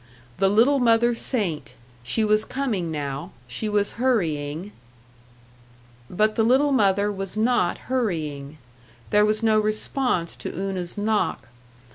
The Little Mother Saint she was coming now she was hurrying But the little mother was not hurrying. There was no response to Una's knock.